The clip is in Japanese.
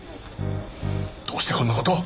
どうしてこんな事を！？